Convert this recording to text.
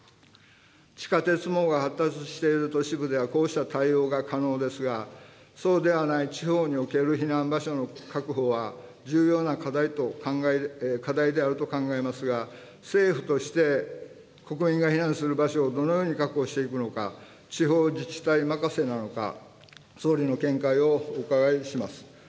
地下鉄網が発達している都市部では、こうした対応が可能ですが、そうではない地方における避難場所の確保は、重要な課題であると考えますが、政府として、国民が避難する場所をどのように確保していくのか、地方自治体任せなのか、総理の見解をお伺いします。